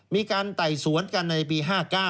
มีการแต่สวนกันในปี๕๙